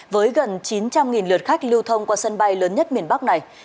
với gần chín trăm linh lượt khách lưu thông qua sân bay lớn nhất miền bắc này